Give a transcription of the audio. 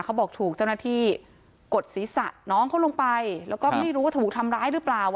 ถูกเจ้าหน้าที่กดศีรษะน้องเขาลงไปแล้วก็ไม่รู้ว่าถูกทำร้ายหรือเปล่า